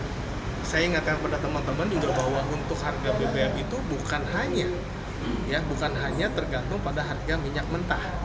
sehingga saya ingatkan kepada teman teman juga bahwa untuk harga bbm itu bukan hanya tergantung pada harga minyak mentah